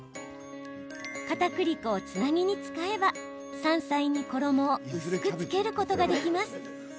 かたくり粉をつなぎに使えば山菜に衣を薄くつけることができます。